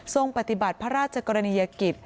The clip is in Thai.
ปฏิบัติพระราชกรณียกิจ